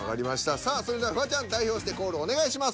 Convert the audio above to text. さあそれではフワちゃん代表してコールお願いします。